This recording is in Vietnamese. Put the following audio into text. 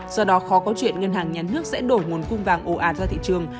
do đó khó có chuyện ngân hàng nhà nước sẽ đổi nguồn cung vàng ồ ạt ra thị trường